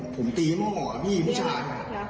ผมตีบ้างรอพี่ผู้ชาย